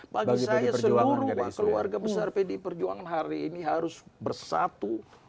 bagi saya seluruh keluarga besar pdi perjuangan hari ini harus bersatu